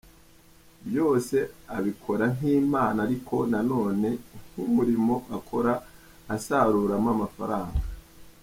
Byose abikora nk’impano ariko nanone nk’umurimo akora asaruramo amafaranga.